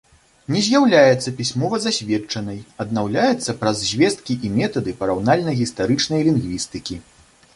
Не з'яўляецца пісьмова засведчанай, аднаўляецца праз звесткі і метады параўнальна-гістарычнай лінгвістыкі.